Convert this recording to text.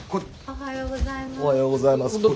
おはようございます。